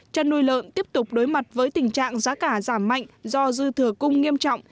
chăn nuôi lợn tiếp tục đối mặt với tình trạng giá cả giảm mạnh do dư thừa cung nghiêm trọng